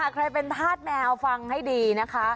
ใครเป็นธาตุแมวฟังให้ดีนะคะ